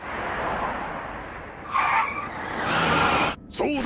そうだ